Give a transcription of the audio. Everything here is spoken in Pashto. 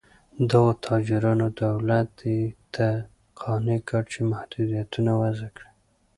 دغو تاجرانو دولت دې ته قانع کړ چې محدودیتونه وضع کړي.